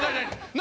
何？